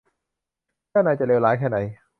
เจ้านายจะเลวร้ายแค่ไหน ?